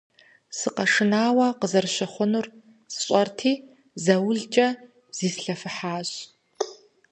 Сыкъэшынауэ къызэрыщыхъунур сщӀэрти, заулкӀэ зислъэфыхьащ.